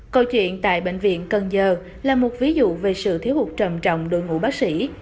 câu chuyện tại bệnh viện cần giờ là một ví dụ về sự thiếu hụt trầm trọng đội ngũ bác sĩ